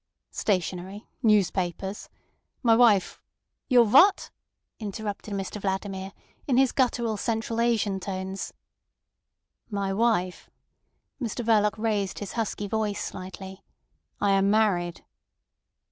"Stationery, newspapers. My wife—" "Your what?" interrupted Mr Vladimir in his guttural Central Asian tones. "My wife." Mr Verloc raised his husky voice slightly. "I am married."